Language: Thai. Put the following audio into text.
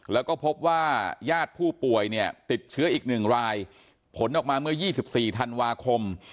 แล้วก็พบว่าญาติผู้ป่วยเนี่ยติดเชื้ออีก๑รายผลออกมาเมื่อ๒๔ธันวาคม